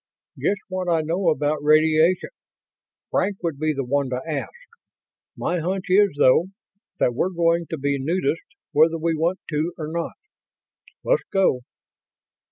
"Just what I know about radiation. Frank would be the one to ask. My hunch is, though, that we're going to be nudists whether we want to or not. Let's go."